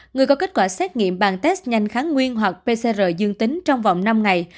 người có kết quả xét nghiệm bằng test nhanh kháng nguyên hoặc pcr dương tính trong vòng năm ngày